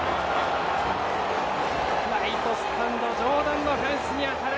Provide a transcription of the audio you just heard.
ライトスタンド上段のフェンスに当たる！